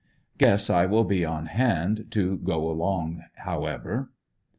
Guess I will be on hand to go along however.